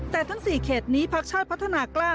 แต่ทั้ง๔เขตนี้พักชาติพัฒนากล้า